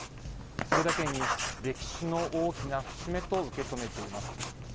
それだけに歴史の大きな節目と受け止めています。